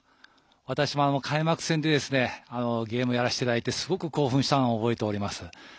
私も開幕戦でゲームをやらせていただいてすごく興奮したのを覚えています。